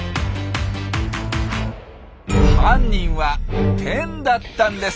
犯人はテンだったんです！